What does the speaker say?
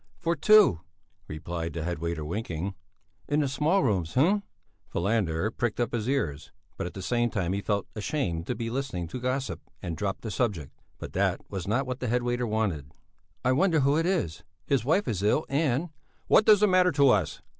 "For two," replied the head waiter, winking. "In the small rooms, hm!" Falander pricked up his ears, but at the same time he felt ashamed to be listening to gossip and dropped the subject; but that was not what the head waiter wanted. "I wonder who it is? His wife is ill, and...." "What does it matter to us?